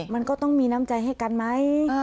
มันก็ต้องมีน้ำใจให้กันไหม